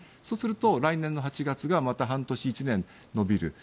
そうすると来年の８月がまた半年、１年延びる。